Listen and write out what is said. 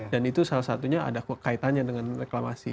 dan itu salah satunya ada kaitannya dengan reklamasi